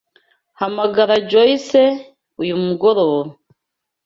Hamagara Joyce uyu mugoroba.